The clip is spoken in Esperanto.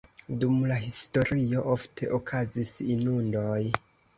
Dum la historio ofte okazis inundoj.